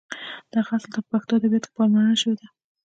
دغه اصل ته په پښتو ادبیاتو کې پاملرنه شوې ده.